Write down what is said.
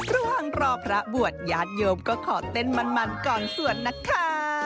ระหว่างรอพระบวชญาติโยมก็ขอเต้นมันก่อนสวดนะคะ